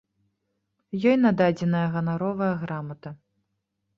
Ёй нададзеная ганаровая грамата.